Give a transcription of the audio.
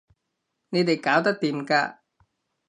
你哋搞得掂㗎